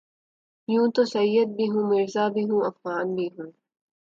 یوں تو سید بھی ہو مرزابھی ہوافغان بھی ہو